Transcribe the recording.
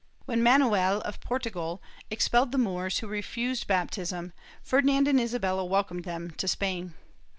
When Manoel of Portugal expelled the Moors who refused bap tism, Ferdinand and Isabella welcomed them to Spain.